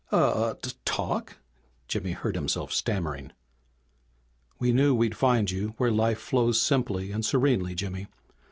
"A t talk?" Jimmy heard himself stammering. "We knew we'd find you where life flows simply and serenely, Jimmy.